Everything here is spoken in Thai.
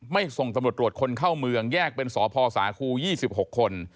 ส่งตำรวจตรวจคนเข้าเมืองแยกเป็นสพสาคู๒๖คน